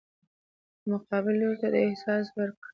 او مقابل لوري ته دا احساس ورکړي